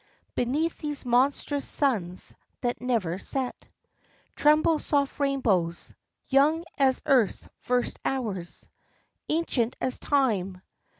Beneath these monstrous suns that never set Tremble soft rainbows, young as Earth's first hours, Ancient as Time.